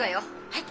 はい。